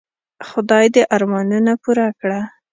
خدای دي ارمانونه پوره کړه .